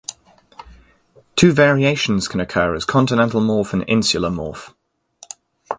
Two variations can occur as continental morph and insular morph.